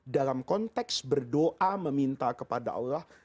dalam konteks berdoa meminta kepada allah